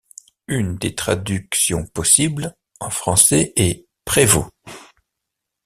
Une des traductions possibles en français est prévôt.